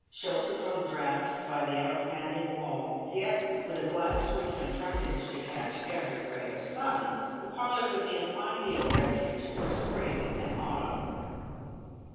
Sheltered from draughts by the outstanding walls, yet with a glass roof and frontage to catch every ray of sun, the parlour would be an ideal refuge for spring and autumn.